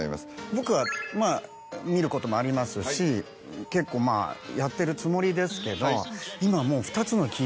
僕はまぁ見ることもありますし結構やってるつもりですけど今もう。